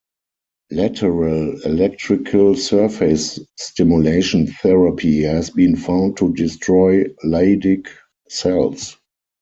Lateral electrical surface stimulation therapy has been found to destroy Leydig cells.